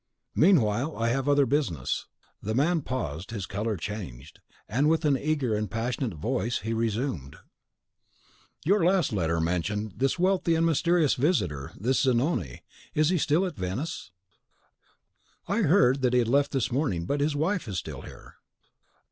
Meanwhile I have other business." The man paused, his colour changed, and it was with an eager and passionate voice that he resumed, "Your last letter mentioned this wealthy and mysterious visitor, this Zanoni. He is still at Venice?" "I heard that he had left this morning; but his wife is still here."